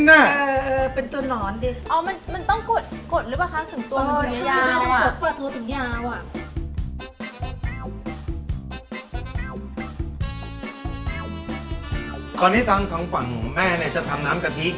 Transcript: ตอนนี้ทั้งในฝั่งแม่จะทำน้ำจระทิ้ก